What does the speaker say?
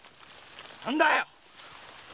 何だよ！